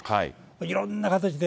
いろんな形で。